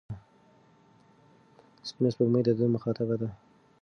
سپینه سپوږمۍ د ده مخاطبه ده.